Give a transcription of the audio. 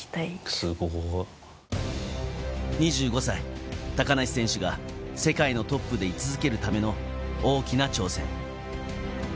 ２５歳、高梨選手が世界のトップで居続けるための大きな挑戦。